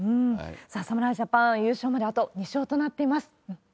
さあ、侍ジャパン、優勝まであと２勝となっています。